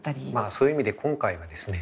そういう意味で今回はですね